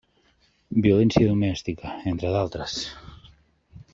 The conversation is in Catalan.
Violència domèstica, entre d'altres.